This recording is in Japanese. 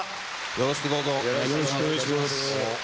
よろしくお願いします。